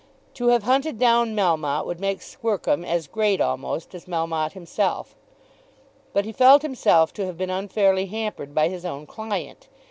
To have hunted down Melmotte would make Squercum as great almost as Melmotte himself. But he felt himself to have been unfairly hampered by his own client.